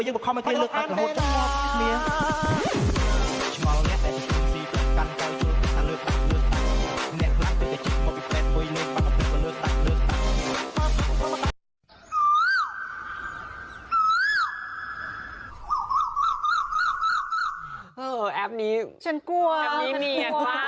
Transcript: แอปนี้มีอ่ะค่ะ